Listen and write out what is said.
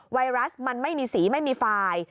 ไวรัสมันไม่มีสีไม่มีไฟล์